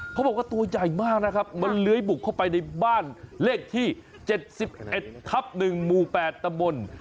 เขาบอกว่าตัวใหญ่มากนะครับมันเลื้อยบุกเข้าไปในบ้านเลขที่๗๑ทับ๑หมู่๘ตำบล